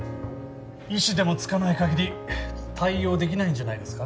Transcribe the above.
医師でもつかないかぎり対応できないんじゃないですか？